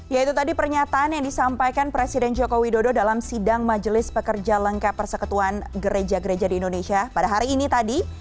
ya itu tadi pernyataan yang disampaikan presiden joko widodo dalam sidang majelis pekerja lengkap perseketuan gereja gereja di indonesia pada hari ini tadi